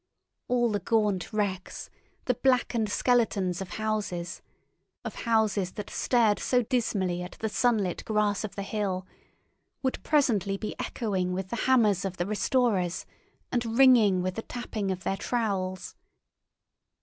All the gaunt wrecks, the blackened skeletons of houses that stared so dismally at the sunlit grass of the hill, would presently be echoing with the hammers of the restorers and ringing with the tapping of their trowels.